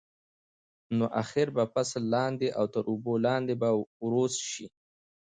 نو اخر به فصل لاندې او تر اوبو لاندې به وروست شي.